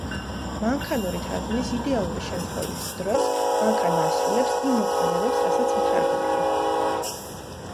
მანქანური თარგმნის იდეალური შემთხვევის დროს მანქანა ასრულებს იმ მოქმედებებს რასაც მთარგმნელი.